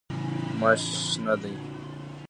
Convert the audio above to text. ماش شنه دي.